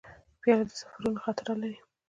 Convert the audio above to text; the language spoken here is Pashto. پیاله د سفرونو خاطره لري.